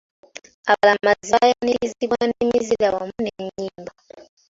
Abalamazi baayanirizibwa n'emizira wamu n'ennyimba.